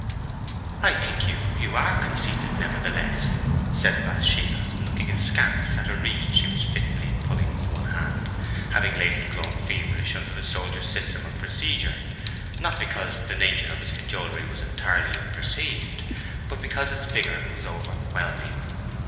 "I think you—are conceited, nevertheless," said Bathsheba, looking askance at a reed she was fitfully pulling with one hand, having lately grown feverish under the soldier's system of procedure—not because the nature of his cajolery was entirely unperceived, but because its vigour was overwhelming.